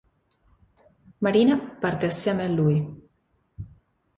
Marina parte assieme a lui.